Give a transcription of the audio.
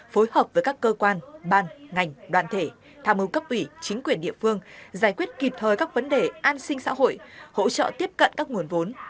phối hợp với các cơ quan ban ngành đoàn thể tham hứng cấp ủy chính quyền địa phương giải quyết kịp thời các vấn đề an sinh xã hội hỗ trợ tiếp cận các nguồn vốn